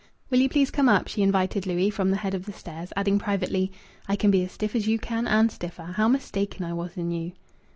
"Will you please come up," she invited Louis, from the head of the stairs, adding privately "I can be as stiff as you can and stiffer. How mistaken I was in you!"